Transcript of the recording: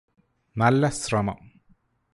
നല്ല ശ്രമം